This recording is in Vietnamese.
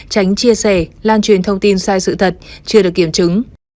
tránh chia sẻ lan truyền thông tin sai sự thật chưa được kiểm chứng